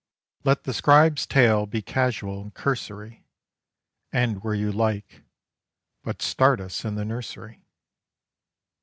Let the scribe's tale be casual and cursory; End where you like but start us in the nursery."